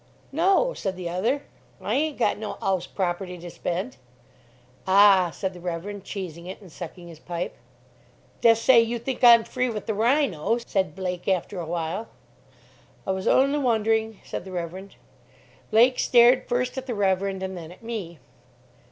"No," said the other; "I ain't got no 'ouse property to spend." "Ah." said the Reverend, cheesing it, and sucking his pipe. "Dessay yer think I'm free with the rhino?" said Blake after a while. "I was only wondering," said the Reverend. Blake stared first at the Reverend and then at me.